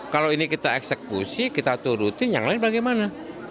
kalau ini kita eksekusi kita turutin yang lain bagaimana